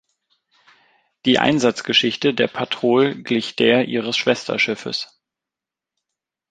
Die Einsatzgeschichte der "Patrol" glich der ihres Schwesterschiffes.